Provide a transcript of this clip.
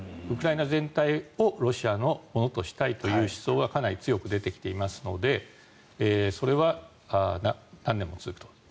ウクライナ全体をロシアのものとしたいという思想がかなり強く出てきていますのでそれは何年も続くと。